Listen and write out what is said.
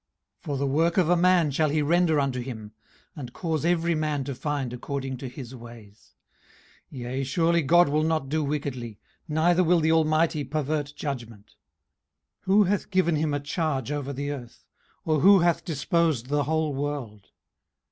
18:034:011 For the work of a man shall he render unto him, and cause every man to find according to his ways. 18:034:012 Yea, surely God will not do wickedly, neither will the Almighty pervert judgment. 18:034:013 Who hath given him a charge over the earth? or who hath disposed the whole world?